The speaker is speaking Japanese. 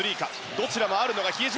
どちらもあるのが比江島。